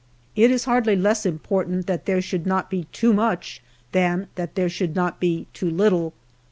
It is hardly PREFACE 9 less important that there should not be too much than that there should not be too little.